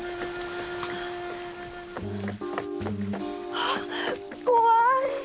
ああ怖い！